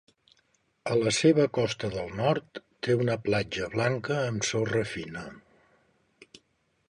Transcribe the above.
A la seva costa del nord, té una platja blanca amb sorra fina.